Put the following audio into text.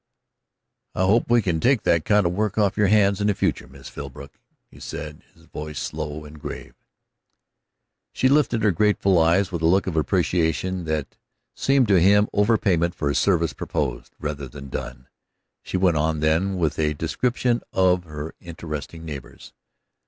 "I hope we can take that kind of work off your hands in the future, Miss Philbrook," he said, his voice slow and grave. She lifted her grateful eyes with a look of appreciation that seemed to him overpayment for a service proposed, rather than done. She went on, then, with a description of her interesting neighbors.